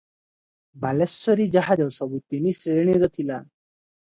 ବାଲେଶ୍ୱରୀ ଜାହାଜ ସବୁ ତିନି ଶ୍ରେଣୀର ଥିଲା ।